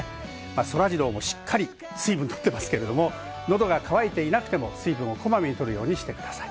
そらジローも、しっかり水分とってますけれども、喉が渇いていなくても、水分をこまめに取るようにしてください。